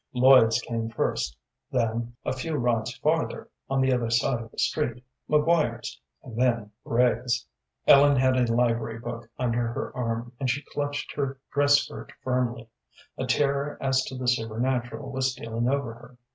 Lloyd's came first; then, a few rods farther, on the other side of the street, McGuire's, and then Briggs's. Ellen had a library book under her arm, and she clutched her dress skirt firmly. A terror as to the supernatural was stealing over her.